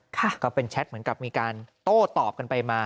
ก็เป็นแชทเหมือนกับมีการโต้ตอบกันไปมา